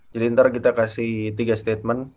jadi ntar kita kasih tiga statement